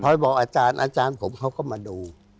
บอกอาจารย์อาจารย์ผมเขาก็มาดู